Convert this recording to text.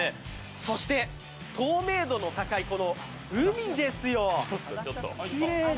そして、透明度の高いこの海ですよきれいで。